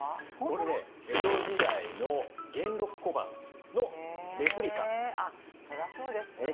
これね江戸時代のあっそりゃそうですよね。